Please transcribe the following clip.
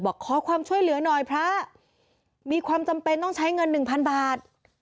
บอกขอความช่วยเหลือหน่อยพระมีความจำเป็นต้องใช้เงินหนึ่งพันบาท